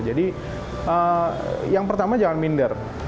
jadi yang pertama jangan minder